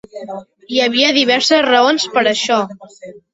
Hi havia diverses raons per això.